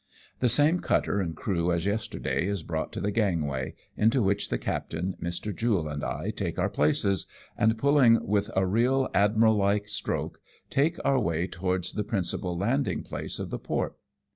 The same cutter and crew as yesterday is brought to the gangway, into which the captain, Mr. Jule, and I take our places, and, pulling with a real admiral like stroke, take our way towards the principal landing place of the port.